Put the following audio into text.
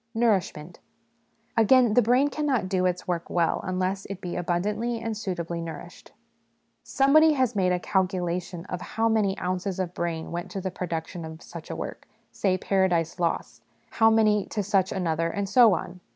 Nourishment. Again, the brain cannot do its work will unless it be abundantly and suitably nourished ; somebody has made a calculation of how many ounces of brain went to the production of such a work say Paradise Lost how many to such another, and so on.